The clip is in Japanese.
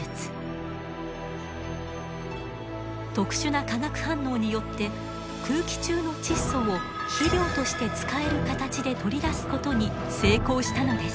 特殊な化学反応によって空気中の窒素を肥料として使える形で取り出すことに成功したのです。